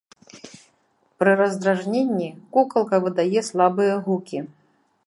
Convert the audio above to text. Пры раздражненні кукалка выдае слабыя гукі.